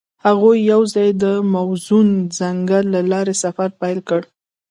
هغوی یوځای د موزون ځنګل له لارې سفر پیل کړ.